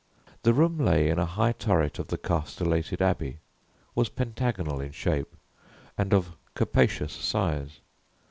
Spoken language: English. The room lay in a high turret of the castellated abbey, was pentagonal in shape, and of capacious size.